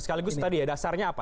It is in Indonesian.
sekaligus tadi ya dasarnya apa